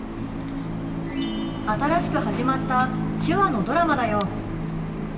新しく始まった手話のドラマだよ。